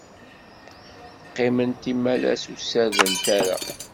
Qqiment imalas ur ssardent ara.